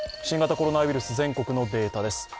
新型コロナウイルス、全国のデータです。